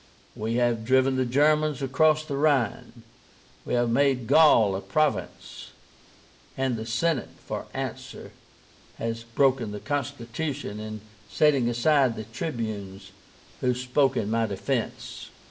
We have driven the Germans across the Rhine; we have made Gaul a province; and the Senate, for answer, has broken the constitution in setting aside the Tribunes who spoke in my defence.